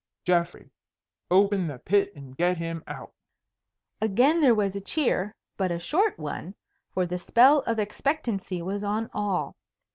Geoffrey, open the pit and get him out." Again there was a cheer, but a short one, for the spell of expectancy was on all.